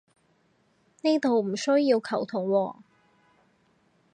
呢度唔需要球僮喎